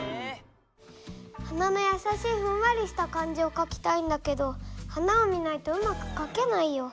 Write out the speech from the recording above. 花のやさしいふんわりした感じをかきたいんだけど花を見ないとうまくかけないよ。